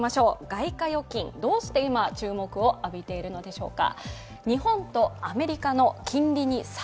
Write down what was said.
外貨預金、どうして今、注目を浴びているのでしょうか。